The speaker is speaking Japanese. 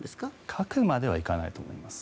核まではいかないと思います。